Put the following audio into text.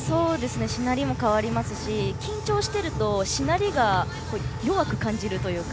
しなりも変わりますし緊張しているとしなりが弱く感じるというか。